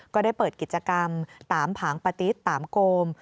ก็ได้เปิดกิจกรรมตามผางปฏิตามโกม